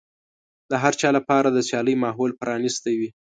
د هر چا لپاره د سيالۍ ماحول پرانيستی وي.